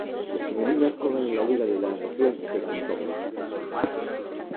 Las Meninas juegan en la liga de la Región de Kantō.